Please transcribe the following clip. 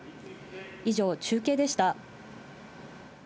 以上、中継でした。